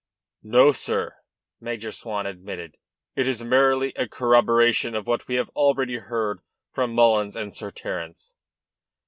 "No, sir," Major Swan admitted. "It is merely a corroboration of what we have already heard from Mullins and Sir Terence."